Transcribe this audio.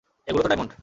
এগুলো তো ডায়মন্ড!